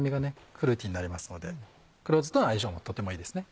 フルーティーになりますので黒酢との相性もとてもいいですね。